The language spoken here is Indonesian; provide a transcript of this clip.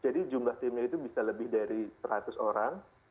jadi jumlah timnya itu bisa lebih dari ratus orang